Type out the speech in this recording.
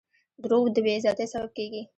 • دروغ د بې عزتۍ سبب کیږي.